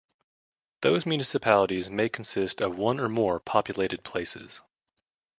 Those municipalities may consist of one or more populated places.